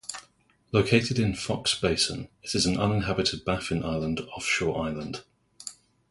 Located in Foxe Basin, it is an uninhabited Baffin Island offshore island.